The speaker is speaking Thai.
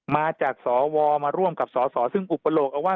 มาจากสวมาร่วมกับสสซึ่งอุปโลกเอาไว้